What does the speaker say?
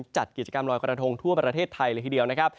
จัดกิจกรรมลอยกระทงทั่วประเทศไทยเลยทีเดียวนะครับ